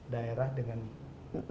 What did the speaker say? daerah dengan pusat